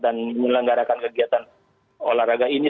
dan melanggarakan kegiatan olahraga ini